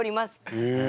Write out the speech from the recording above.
へえ。